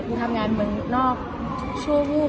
ปูทำงานเมืองนอกชั่วรูป